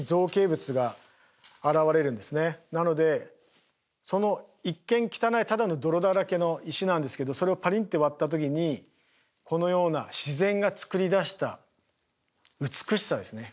なのでその一見汚いただの泥だらけの石なんですけどそれをパリンって割った時にこのような自然がつくり出した美しさですね